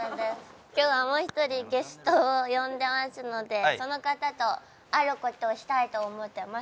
今日はもう一人ゲストを呼んでますのでその方とある事をしたいと思ってます。